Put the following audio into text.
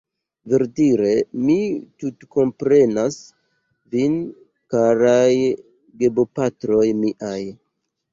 Verdire, mi tutkomprenas vin karaj gebopatroj miaj